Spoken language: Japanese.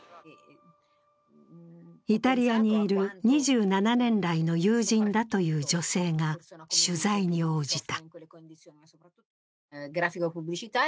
イタリアにいる２７年来の友人だという女性が取材に応じた。